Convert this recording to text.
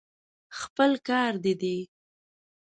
خپل کار دې دی.